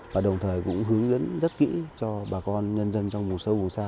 và đồng thời cũng hướng dẫn rất kỹ cho bà con nhân dân trong vùng sâu vùng xa